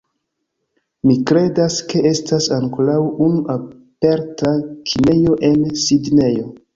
Mi kredas, ke estas ankoraŭ unu aperta kinejo en Sidnejo